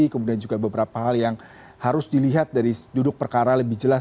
kemudian juga beberapa hal yang harus dilihat dari duduk perkara lebih jelas